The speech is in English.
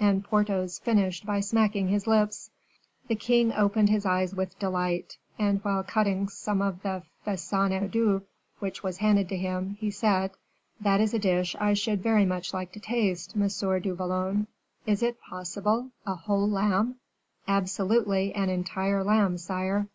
And Porthos finished by smacking his lips. The king opened his eyes with delight, and, while cutting some of the faisan en daube, which was being handed to him, he said: "That is a dish I should very much like to taste, Monsieur du Vallon. Is it possible! a whole lamb!" "Absolutely an entire lamb, sire."